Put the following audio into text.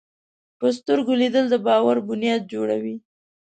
په سترګو لیدل د باور بنیاد جوړوي